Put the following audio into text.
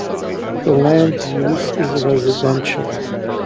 The land use is residential.